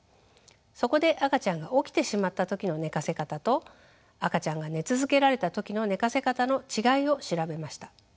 そこで赤ちゃんが起きてしまった時の寝かせ方と赤ちゃんが寝続けられた時の寝かせ方の違いを調べました。